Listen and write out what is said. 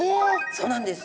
そうなんです。